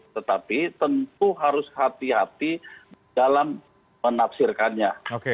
tetapi tentu harus hati hati dalam menafsirkannya